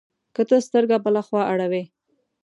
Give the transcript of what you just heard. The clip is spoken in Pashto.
که ته سترګه بله خوا اړوې،